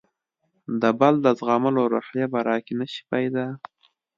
د بل د زغملو روحیه به راکې نه شي پیدا.